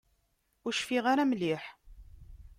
Ur cfiɣ ara mliḥ.